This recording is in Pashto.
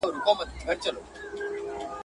رنگ تې مه گوره، خوند تې گوره.